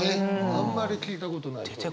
あんまり聞いたことない表現。